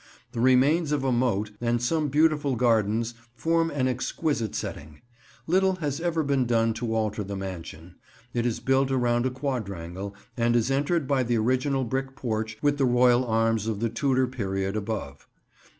The remains of a moat, and some beautiful gardens, form an exquisite setting. Little has ever been done to alter the mansion. It is built around a quadrangle, and is entered by the original brick porch with the Royal arms of the Tudor period above.